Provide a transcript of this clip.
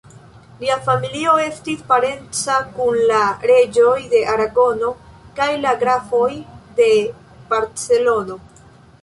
Lia familio estis parenca kun la reĝoj de Aragono kaj la grafoj de Barcelono.